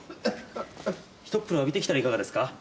ひとっ風呂浴びてきたらいかがですか？